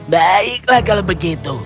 baiklah kalau begitu